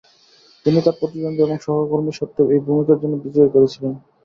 তিনি তার প্রতিদ্বন্দ্বী এবং সহকর্মী সত্ত্বেও এই ভূমিকার জন্য বিজয়ী করেছিলেন।